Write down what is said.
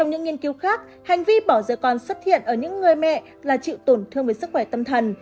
trong những nghiên cứu khác hành vi bỏ giờ còn xuất hiện ở những người mẹ là chịu tổn thương với sức khỏe tâm thần